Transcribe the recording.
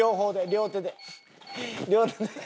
両手で。